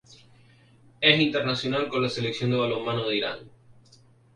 Es internacional con la selección de balonmano de Irán.